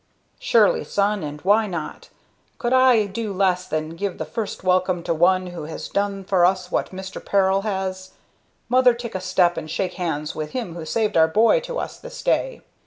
"Surely, son; and why not? Could I do less than give the first welcome to one who has done for us what Mr. Peril has? Mother, take a step and shake hands wi' him who saved our boy to us this day.